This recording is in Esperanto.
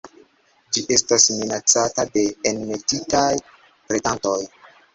Ĝi estas minacata de enmetitaj predantoj.